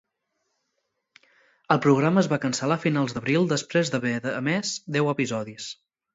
El programa es va cancel·lar a finals d'abril després d'haver emès deu episodis.